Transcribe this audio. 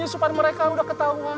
supaya mereka udah ketahuan